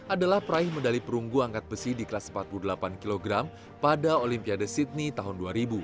adalah peraih medali perunggu angkat besi di kelas empat puluh delapan kg pada olimpiade sydney tahun dua ribu